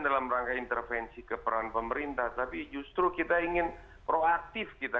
yang terbaik dari awal